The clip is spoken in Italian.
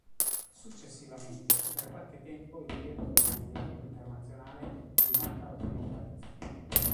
Successivamente fu per qualche tempo il Direttore di sviluppo internazionale di Matra Automobiles.